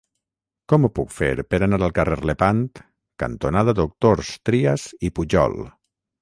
Com ho puc fer per anar al carrer Lepant cantonada Doctors Trias i Pujol?